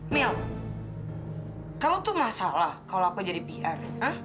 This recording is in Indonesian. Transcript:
mil kamu tuh masalah kalau aku jadi pr